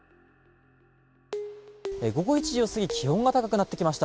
午後１時を過ぎ気温が高くなってきました。